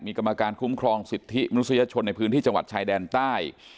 มีกรรมานการครุ้มครองสิทธิมนุษยชนที่จังหวัดชายแดนใต้